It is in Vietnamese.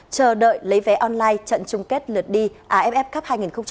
chờ đợi lấy vé online trận chung kết lượt đi aff cup hai nghìn một mươi chín